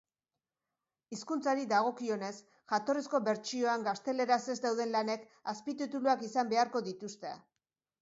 Hizkuntzari dagokionez jatorrizko bertsioan gazteleraz ez dauden lanek azpitituluak izan beharko dituzte.